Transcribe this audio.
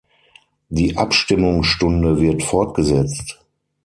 Die Abstimmungsstunde wird fortgesetzt.